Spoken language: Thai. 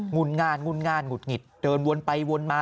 งุ่นง่านงุดหงิดเดินวนไปวนมา